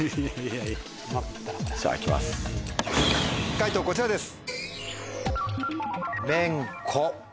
解答こちらです。